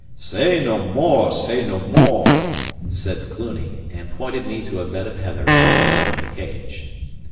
"Say nae mair, say nae mair," said Cluny, and pointed me to a bed of heather in a corner of the Cage.